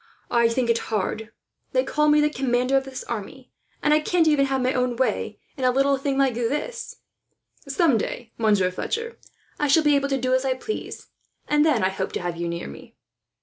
"I think it hard. They call me the commander of this army, and I can't have my own way even in a little thing like this. Some day, Monsieur Fletcher, I shall be able to do as I please, and then I hope to have you near me."